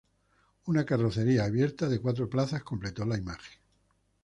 Una carrocería abierta de cuatro plazas completó la imagen.